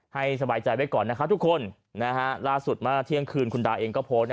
ให้สบายใจไว้ก่อนนะคะทุกคนล่าสุดเมื่อเที่ยงคืนคุณดาเองก็โพสต์นะ